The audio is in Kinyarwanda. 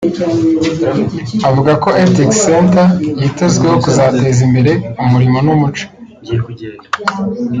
Avuga ko Ethics Center yitezweho kuzateza imbere umurimo n’umuco